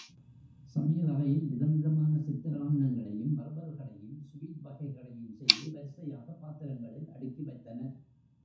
சமையல் அறையில் விதம் விதமான சித்ரான்னங்களையும், வறுவல்களையும், சுவீட் வகைகளையும் செய்து வரிசையாக பாத்திரங்களில் அடுக்கி வைத்தனர்.